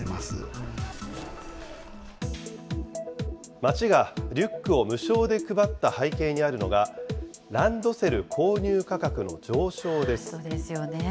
町がリュックを無償で配った背景にあるのが、ランドセル購入そうですよね。